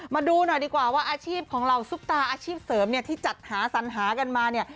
มาดูหน่อยดีกว่าว่าอาชีพของเหล่าซุปตาอาชีพเสริมเนี่ยที่จัดหาสัญหากันมาเนี่ย